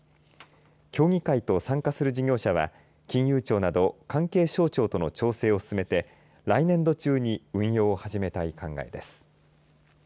協議会と参加する事業者は金融庁など関係省庁との調整を進めて来年度中に運用を始めたい考えです。